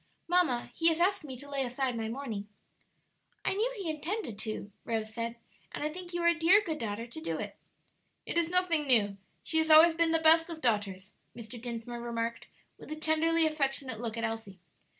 Mamma, he has asked me to lay aside my mourning." "I knew he intended to," Rose said, "and I think you are a dear good daughter to do it." "It is nothing new; she has always been the best of daughters," Mr. Dinsmore remarked, with a tenderly affectionate look at Elsie.